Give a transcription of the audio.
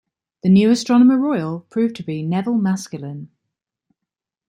The new Astronomer Royal proved to be Nevil Maskelyne.